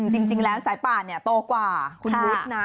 จริงแล้วสายป่าเนี่ยโตกว่าคุณนุษย์นะ